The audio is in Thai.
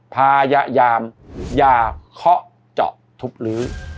พยายามอย่าเคาะเจาะทุบลื้อ